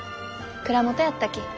蔵元やったき。